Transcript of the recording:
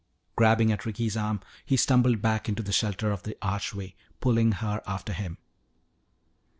Grabbing at Ricky's arm, he stumbled back into the shelter of the archway, pulling her after him.